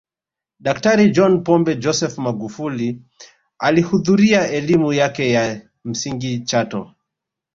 Daktari John Pombe Joseph Magufuli alihudhuria elimu yake ya msingi chato